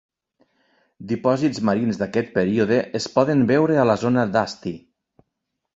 Dipòsits marins d'aquest període es poden veure a la zona d'Asti.